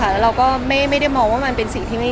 เราก็ไม่ได้มองว่ามันเป็นสิทธิ์ที่ดี